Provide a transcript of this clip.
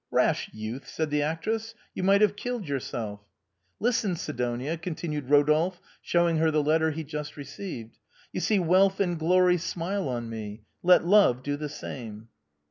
" Rash youth !" said the actress, " you might have killed yourself !"" Listen, Sidonia," continued Rodolphe, showing her the letter he had just received. " You see, wealth and glory smile on me ; let love do the same